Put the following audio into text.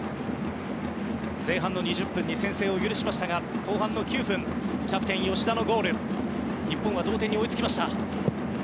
前半２０分に先制を許しましたが後半の９分キャプテンの吉田のゴールで日本は同点に追いつきました。